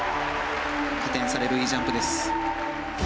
加点されるいいジャンプです。